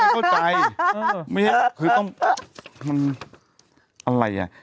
ไม่ใช่คือต้องมันอะไรอ่ะ